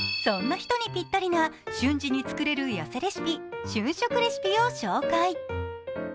そんな人にぴったりな瞬時に作れるやせレシピ、瞬食レシピを紹介。